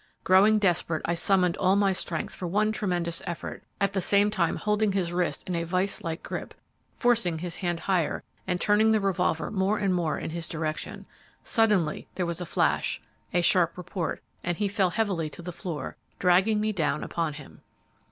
Growing desperate, I summoned all my strength for one tremendous effort, at the same time holding his wrist in a vice like grip, forcing his hand higher and turning the revolver more and more in his direction. Suddenly there was a flash, a sharp report, and he fell heavily to the floor, dragging me down upon him.